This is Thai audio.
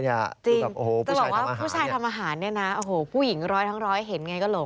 จะบอกว่าผู้ชายทำอาหารเนี่ยนะโอ้โหผู้หญิงร้อยทั้งร้อยเห็นไงก็หลง